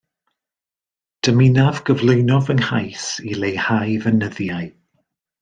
Dymunaf gyflwyno fy nghais i leihau fy nyddiau.